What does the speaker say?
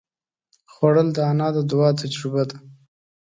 خوړل د انا د دعا تجربه ده